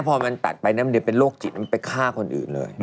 พอมันตัดไปมันเดี๋ยวเป็นโรคจิตมันไปฆ่าคนอื่นเลย